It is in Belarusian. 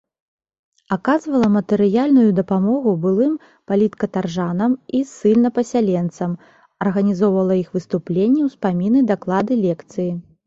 Аказвала матэрыяльную дапамогу былым паліткатаржанам і ссыльнапасяленцам, арганізоўвала іх выступленні, успаміны, даклады, лекцыі.